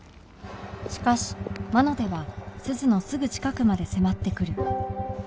しかし魔の手は鈴のすぐ近くまで迫ってくる